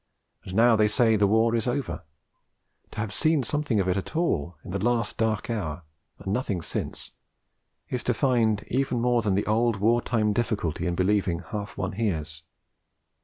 And now they say the war is over! To have seen something of it all in the last dark hour and nothing since is to find even more than the old war time difficulty in believing half one hears.